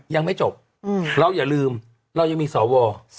ยังไม่จบเราอย่าลืมเรายังมีสว